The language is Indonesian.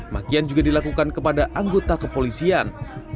makian juga dilakukan kepada anggota kepolisian